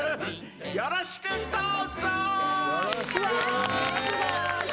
よろしくどうぞー。